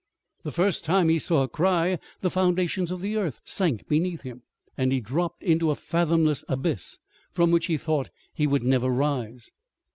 The first time he saw her cry, the foundations of the earth sank beneath him, and he dropped into a fathomless abyss from which he thought he would never rise.